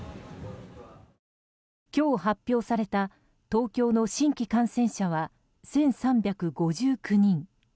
今日発表された東京の新規感染者は１３５９人。